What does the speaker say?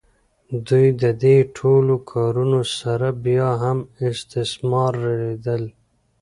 دوی د دې ټولو کارونو سره بیا هم استثماریدل.